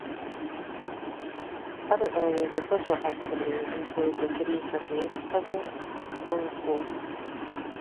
Other areas of social activity include the city recreation center and the school.